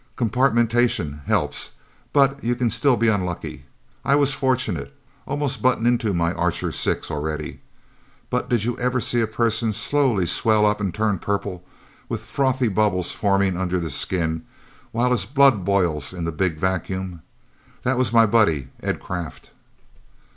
Compartmentation helps, but you can still be unlucky. I was fortunate almost buttoned into my Archer Six, already. _But did you ever see a person slowly swell up and turn purple, with frothy bubbles forming under the skin, while his blood boils in the Big Vacuum?_ That was my buddy, Ed Kraft..."